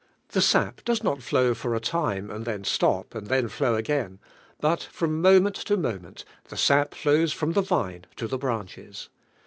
The sap does not flow for a timp, anil then stop, am] I hen flow again, but frt imenl ti imettt the sap (lows from tie vine to the brandies.